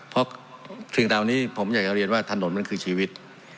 เพราะสิ่งเหล่านี้ผมอยากจะเรียนว่าถนนมันคือชีวิต